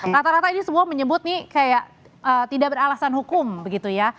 rata rata ini semua menyebut nih kayak tidak beralasan hukum begitu ya